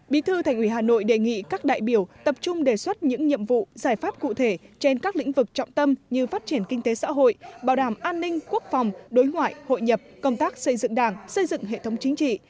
bí thư thành ủy hà nội đề nghị các đại biểu tập trung đề xuất những nhiệm vụ giải pháp cụ thể trên các lĩnh vực trọng tâm như phát triển kinh tế xã hội bảo đảm an ninh quốc phòng đối ngoại hội nhập công tác xây dựng đảng xây dựng hệ thống chính trị